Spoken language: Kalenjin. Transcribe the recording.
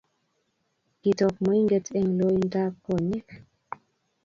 Kitok moinget eng loin ab konyek